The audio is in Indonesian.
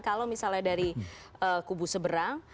kalau misalnya dari kubu seberang